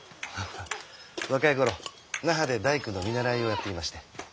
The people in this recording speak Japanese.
若い頃那覇で大工の見習いをやっていまして。